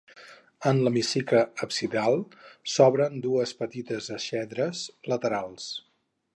En l'hemicicle absidal s'obren dues petites exedres laterals.